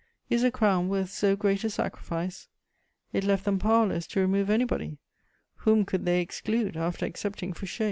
Is a crown worth so great a sacrifice? It left them powerless to remove anybody: whom could they exclude, after accepting Fouché?